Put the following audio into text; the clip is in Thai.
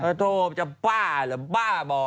ถ้าโทจะบ้าเหรอบ้าบ่อ